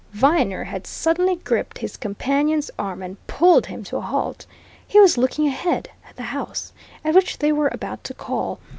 Viner had suddenly gripped his companion's arm and pulled him to a halt. He was looking ahead at the house at which they were about to call.